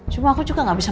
cuma aku juga gak bisa